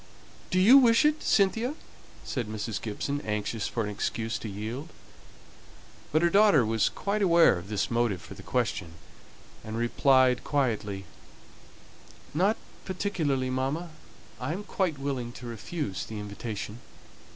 "Do you wish it, Cynthia?" said Mrs. Gibson, anxious for an excuse to yield. But her daughter was quite aware of this motive for the question, and replied quietly, "Not particularly, mamma. I am quite willing to refuse the invitation."